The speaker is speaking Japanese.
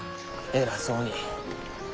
偉そうに。